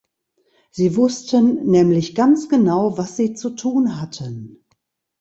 Sie wussten nämlich ganz genau, was sie zu tun hatten.